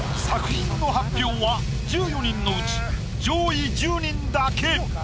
作品の発表は１４人のうち上位１０人だけ。